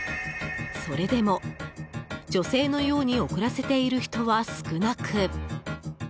それでも、女性のように遅らせている人は少なく。